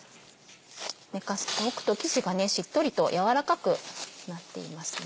寝かせておくと生地がしっとりとやわらかくなっていますね。